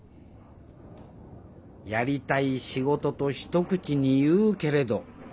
やりたい仕事と一口に言うけれど。